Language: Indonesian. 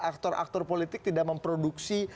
aktor aktor politik tidak memproduksi